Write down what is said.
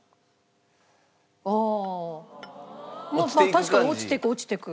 確かに落ちていく落ちていく。